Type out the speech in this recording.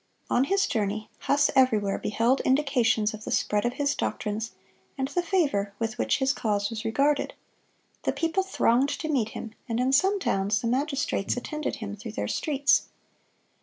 (135) On his journey, Huss everywhere beheld indications of the spread of his doctrines, and the favor with which his cause was regarded. The people thronged to meet him, and in some towns the magistrates attended him through their streets.